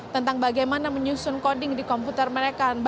tentang bagaimana menyusun coding di komputer mereka